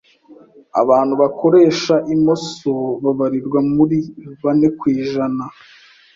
abantu bakoresha imoso babarirwa muri bane kwijana